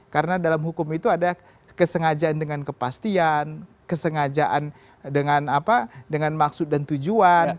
karena dalam hukum itu ada kesengajaan dengan kepastian kesengajaan dengan maksud dan tujuan